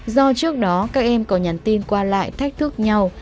do trước đó các em có nhắn tin qua lại thách thức nhau